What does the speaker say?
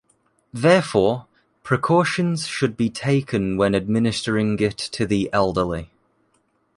Therefore, precautions should be taken when administering it to the elderly.